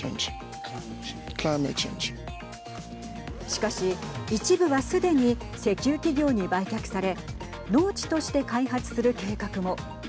しかし、一部はすでに石油企業に売却され農地として開発する計画も。